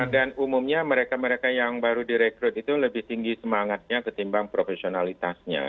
dan umumnya mereka mereka yang baru direkrut itu lebih tinggi semangatnya ketimbang profesionalitasnya